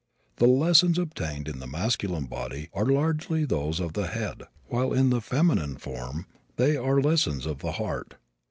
The lessons obtained in the masculine body are largely those of the head while in the feminine form they are lessons of the heart.